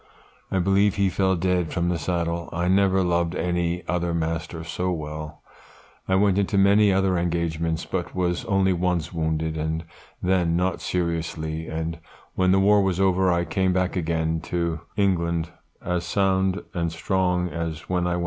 I believe he fell dead from the saddle. I never loved any other master so well. I went into many other engagements, but was only once wounded, and then not seriously; and when the war was over I came back again to England, as sound and strong as when I went out."